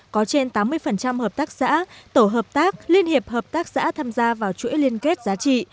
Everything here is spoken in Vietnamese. có trên tám mươi hợp tác xã tổ hợp tác liên hiệp hợp tác xã tham gia vào chuỗi liên kết giá trị